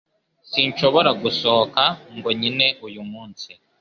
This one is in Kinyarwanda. Sinshobora gusohoka ngo nkine uyu munsi